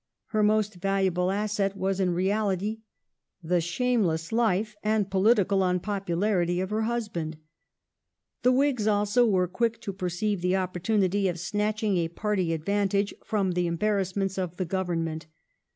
Her most valuable asset was in reality the shameless life and political un popularity of her husband. The Whigs also were quick to per ceive the opportunity of snatching a party advantage from the embarrassments of the Government.